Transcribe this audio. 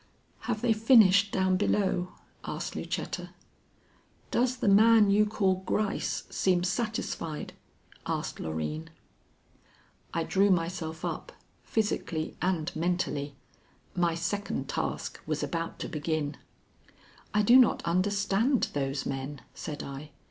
"Have they finished down below?" asked Lucetta. "Does the man you call Gryce seem satisfied?" asked Loreen. I drew myself up physically and mentally. My second task was about to begin. "I do not understand those men," said I.